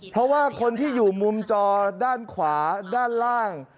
เพราะว่าคนที่อยู่มุมจอด้านขวาด้านล่าง